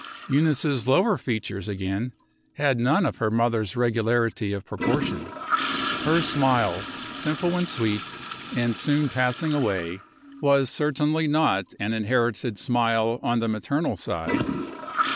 Eunice's lower features, again, had none of her mother's regularity of proportion. Her smile, simple and sweet, and soon passing away, was certainly not an inherited smile on the maternal side.